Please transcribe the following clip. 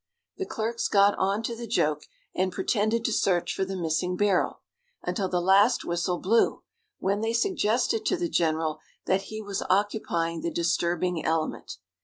The clerks got on to the joke, and pretended to search for the missing barrel until the last whistle blew, when they suggested to the general that he was occupying the disturbing element.